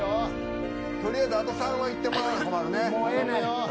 取りあえず、あと３はいってもらわんと困るね。